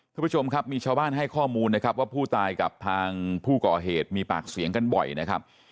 คุณผู้ชมครับมีชาวบ้านให้ข้อมูลนะครับว่าผู้ตายกับทางผู้ก่อเหตุมีปากเสียงกันบ่อยนะครับ